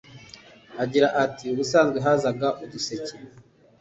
Agira ati “Ubusanzwe hazaga uduseke